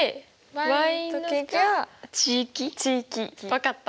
分かった。